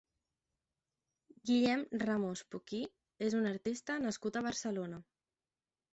Guillem Ramos-Poquí és un artista nascut a Barcelona.